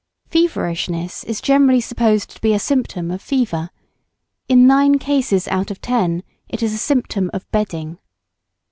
Feverishness is generally supposed to be a symptom of fever in nine cases out of ten it is a symptom of bedding.